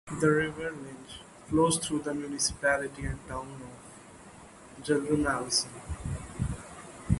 The river Linge flows through the municipality and town of Geldermalsen.